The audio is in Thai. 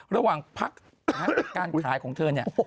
ระหว่างพักการขายของเธอเนี่ย